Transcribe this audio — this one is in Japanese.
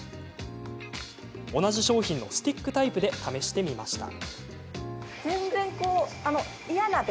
同じ商品のスティックタイプで試してみました。